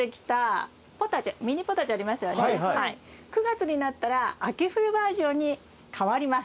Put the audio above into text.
９月になったら秋冬バージョンに変わります。